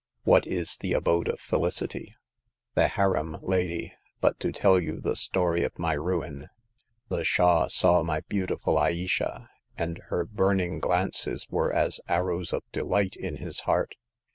''" What is the Abode of Felicity? "" The harem, lady. But to tell you the story of my ruin. The Shah saw my beautiful Ayesha, and her burning glances were as arrows of delight in his heart.